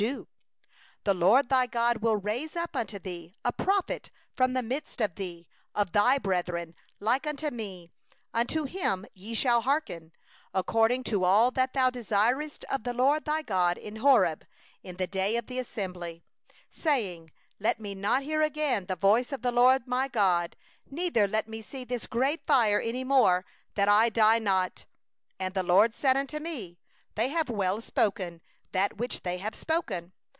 15A prophet will the LORD thy God raise up unto thee, from the midst of thee, of thy brethren, like unto me; unto him ye shall hearken; 16according to all that thou didst desire of the LORD thy God in Horeb in the day of the assembly, saying: 'Let me not hear again the voice of the LORD my God, neither let me see this great fire any more, that I die not.' 17And the LORD said unto me: 'They have well said that which they have spoken.